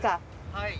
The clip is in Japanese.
はい。